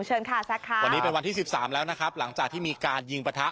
วันนี้เป็นวันที่๑๓แล้วนะครับหลังจากที่มีการยิงประทะ